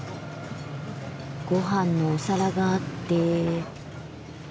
ごはんのお皿があって。